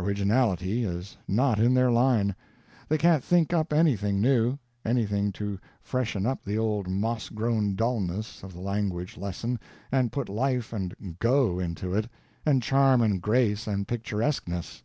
Originality is not in their line; they can't think up anything new, anything to freshen up the old moss grown dullness of the language lesson and put life and "go" into it, and charm and grace and picturesqueness.